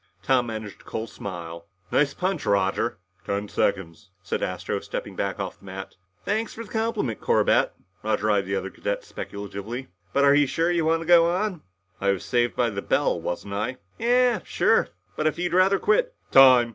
Tom managed a cold smile. "Nice punch, Roger." "Ten seconds," said Astro, stepping back off the mat. "Thanks for the compliment, Corbett." Roger eyed the other cadet speculatively. "But are you sure you want to go on?" "I was saved by the bell, wasn't I?" "Yeah sure but if you'd rather quit " "Time!"